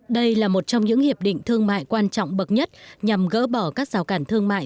đây là một trong những hiệp định thương mại quan trọng bậc nhất nhằm gỡ bỏ các rào cản thương mại